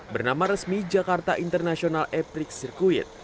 bernama resmi jakarta international eprig circuit